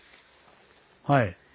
はい。